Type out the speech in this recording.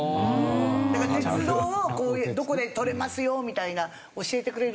鉄道をどこで撮れますよみたいなのを教えてくれる。